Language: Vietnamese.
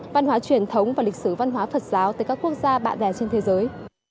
văn hóa truyền thống và lịch sử văn hóa phật giáo tới các quốc gia bạn bè trên thế giới